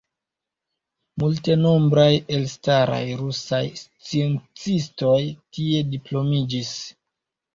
Multenombraj elstaraj rusaj sciencistoj tie diplomiĝis.